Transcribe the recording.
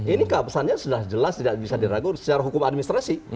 ini keabsahannya sudah jelas tidak bisa diragu secara hukum administrasi